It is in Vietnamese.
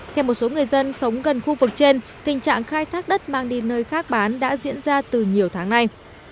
theo một số người dân sống gần khu vực trên tình trạng khai thác đất mang đi nơi khác bán đã diễn ra từ nhiều tháng nay